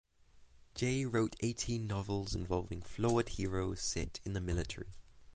Jay wrote eighteen novels involving flawed heroes set in the military.